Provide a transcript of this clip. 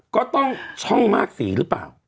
ก็ต้องช่องมากสีหรือเปล่า